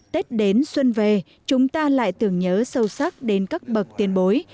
tết đến xuân về chúng ta lại tưởng nhớ sâu sắc đến các bậc tiền bối